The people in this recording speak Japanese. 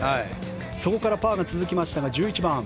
そこからパーが続きましたが、１１番。